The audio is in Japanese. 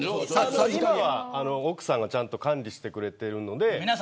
今は奥さんが、ちゃんと管理してくれているんで。